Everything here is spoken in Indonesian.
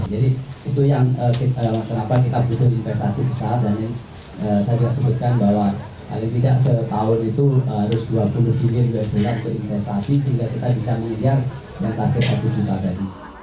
jadi itu yang kenapa kita butuh investasi besar dan saya juga sebutkan bahwa paling tidak setahun itu harus dua puluh miliar dolar keinvestasi sehingga kita bisa mengejar yang target satu juta dolar